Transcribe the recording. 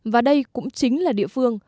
và đây cũng chính là địa phương